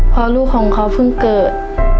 เพราะลูกของเขาเพิ่งเกิด